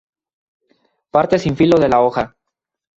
Parte sin filo de la hoja.